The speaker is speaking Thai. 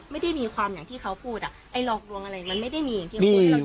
ไม่ได้มีความอย่างที่เขาพูดอ่ะไอ้หลอกลวงอะไรมันไม่ได้มีอย่างที่เขาพูดให้เรา